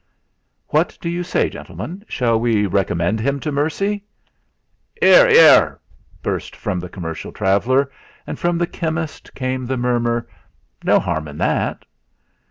"What do you say, gentlemen; shall we recommend him to mercy?" "'Ear, 'ear!" burst from the commercial traveller, and from the chemist came the murmur: "No harm in that."